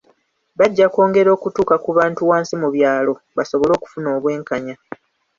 Bajja kwongera okutuuka ku bantu wansi mu byalo, basobole okufuna obwenkanya.